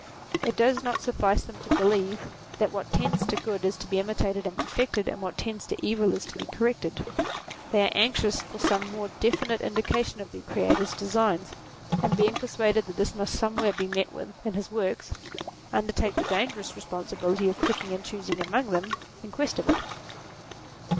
It does not suffice them to believe, that what tends to good is to be imitated and perfected, and what tends to evil is to be corrected : they are anxious for some more defi nite indication of the Creator's designs ; and being persuaded that this must somewhere be met with in his works, undertake the dangerous responsibility of picking and choosing among them in quest of it.